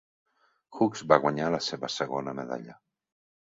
Hughes va guanyar la seva segona medalla.